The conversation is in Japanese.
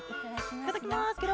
いただきますケロ。